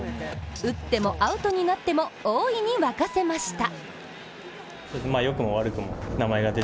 打ってもアウトになっても大いに沸かせました。